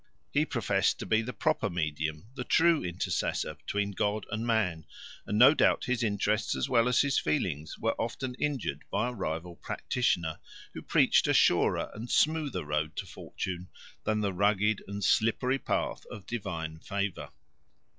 He professed to be the proper medium, the true intercessor between God and man, and no doubt his interests as well as his feelings were often injured by a rival practitioner, who preached a surer and smoother road to fortune than the rugged and slippery path of divine favour.